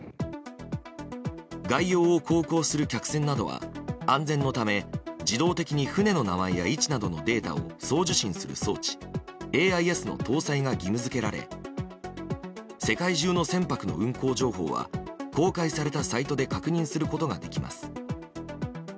外洋を航行する客船などは安全のため自動的に船の名前や位置などのデータを送受信する装置ＡＩＳの搭載が義務付けられ世界中の船舶の運航情報は公開されたサイトで確認することができます。